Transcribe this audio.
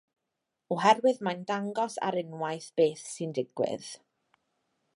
Oherwydd mae'n dangos ar unwaith beth syn digwydd.